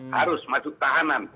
harus masuk tahanan